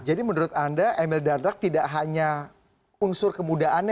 jadi menurut anda emil dardak tidak hanya unsur kemudaannya